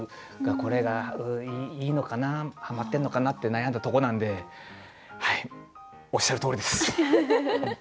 これがいいのかなはまってるのかなって悩んだとこなんではいおっしゃるとおりです。